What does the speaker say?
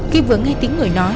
khi vừa nghe tiếng người nói